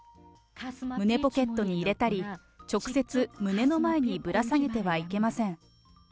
胸ポケットに入れたり、直接胸の前にぶら下げてはいけません。